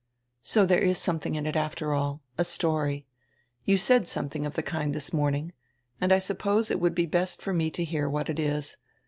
"So there is something in it after all. A story. You said something of the kind this morning. And I suppose it would be best for me to hear what it is.